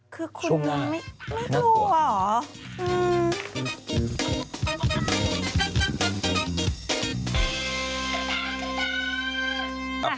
คือคุณไม่ดูเหรอ